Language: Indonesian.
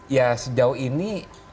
ya sejauh ini